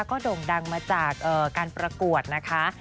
ก็โด่งดังมาจากการประกวดนะคะ